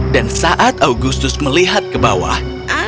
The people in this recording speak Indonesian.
dan saat augustus melihat ke bawah